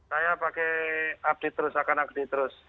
saya pakai update terus akan update terus